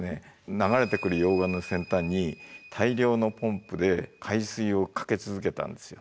流れてくる溶岩の先端に大量のポンプで海水をかけ続けたんですよ。